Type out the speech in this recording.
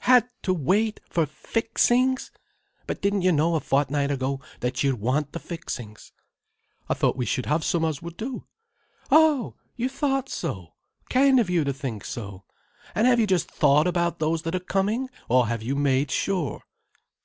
"Had to wait for fixings! But didn't you know a fortnight ago that you'd want the fixings?" "I thought we should have some as would do." "Oh! you thought so! Really! Kind of you to think so. And have you just thought about those that are coming, or have you made sure?"